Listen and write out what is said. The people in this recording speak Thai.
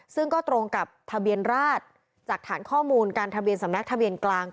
ซึ่งก็ตรงกับทะเบียนราชจากฐานข้อมูลการทะเบียนสำนักทะเบียนกลาง